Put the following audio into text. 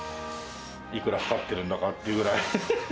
いくらかかってるんだかっていうぐらい。